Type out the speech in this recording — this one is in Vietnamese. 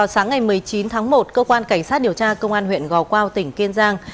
sáng ngày một mươi chín tháng một cơ quan cảnh sát điều tra công an huyện gò quao tỉnh kiên giang